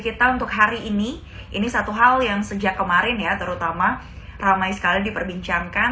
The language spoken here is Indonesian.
kita untuk hari ini ini satu hal yang sejak kemarin ya terutama ramai sekali diperbincangkan